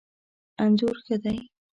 انځور ښه دی